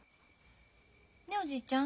ねおじいちゃん。